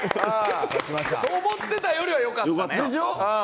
すごい！思ってたよりは良かったね。でしょ？